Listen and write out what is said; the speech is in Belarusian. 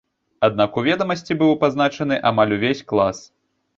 Аднак у ведамасці быў пазначаны амаль увесь клас.